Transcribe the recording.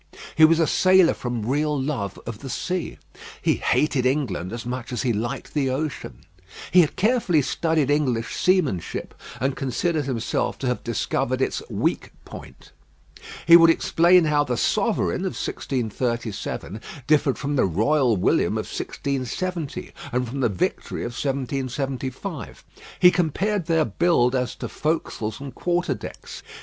He was a sailor from real love of the sea. He hated England as much as he liked the ocean. He had carefully studied English seamanship, and considered himself to have discovered its weak point. He would explain how the Sovereign of 1637 differed from the Royal William of 1670, and from the Victory of 1775. He compared their build as to their forecastles and quarter decks.